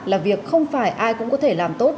là việc không phải ai cũng có thể làm tốt